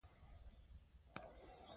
هغه د پښتو ادبي غورځنګ ملاتړ کړی.